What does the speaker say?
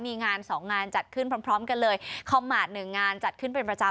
มีงานสองงานจัดขึ้นพร้อมพร้อมกันเลยคอมมาตรหนึ่งงานจัดขึ้นเป็นประจำ